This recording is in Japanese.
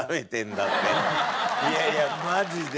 いやいやマジで。